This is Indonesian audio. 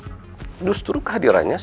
tapi sekarang putri bekerja di kantin kampus